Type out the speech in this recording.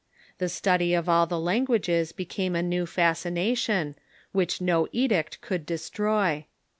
The study of all the languages became a new fascination, which no edict could destroy.